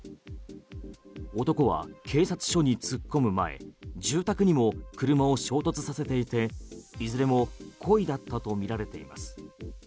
男は警察署に突っ込む前住宅にも車を衝突させていていずれも故意だったとみられています。